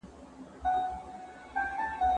د روغتیا ساتنه د فرد او کورنۍ ګډ مسؤلیت دی.